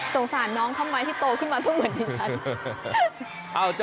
โทษสานน้องเข้ามาที่โตขึ้นมาทุกเหมือนดิฉัน